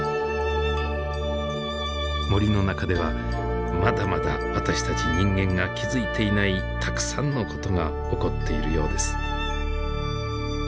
森の中ではまだまだ私たち人間が気付いていないたくさんのことが起こっているようです。